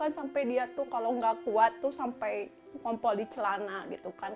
sampai dia kalau tidak kuat sampai kompol di celana